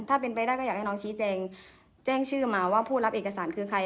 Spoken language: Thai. ถ้าเป็นไปได้ก็อยากให้น้องชี้แจงแจ้งชื่อมาว่าผู้รับเอกสารคือใคร